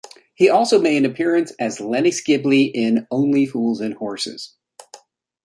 He also made an appearance as Lennox Gilbey in "Only Fools and Horses".